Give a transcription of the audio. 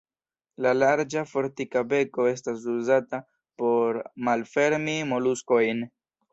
La larĝa, fortika beko estas uzata por malfermi moluskojn.